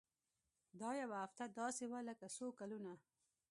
دا يوه هفته داسې وه لکه څو کلونه.